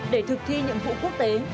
để thực thi nhiệm vụ quốc tế